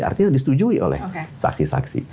artinya disetujui oleh saksi saksi